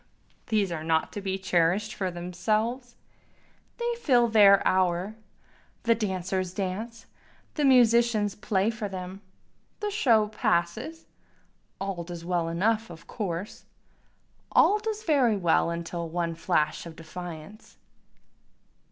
these are not to be cherish'd for themselves, They fill their hour, the dancers dance, the musicians play for them, The show passes, all does well enough of course, All does very well till one flash of defiance.